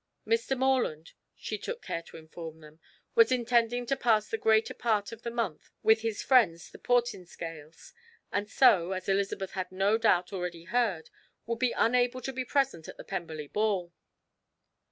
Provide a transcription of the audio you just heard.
Mr. Morland, she took care to inform them, was intending to pass the greater part of the month with his friends the Portinscales, and so, as Elizabeth had no doubt already heard, would be unable to be present at the Pemberley ball.